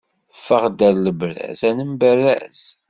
Ffeɣ-d ar lebraz, ad nemberraz!